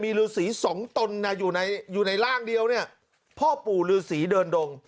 มีลื้อสีสองตนนะอยู่ในร่างเดียวเนี่ยพ่อปู่ลื้อสีเดินดง